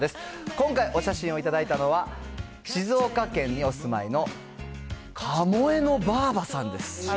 今回、お写真を頂いたのは、静岡県にお住まいのかもえのばあばさんです。